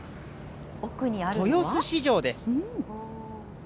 豊洲市場です。